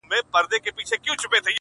خدمت د انسانیت عملي بڼه ده.